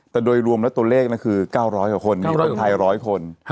แต่โดยรวมแล้วตัวเลขคือ๙๐๐กว่าคนมีคนไทย๑๐๐คน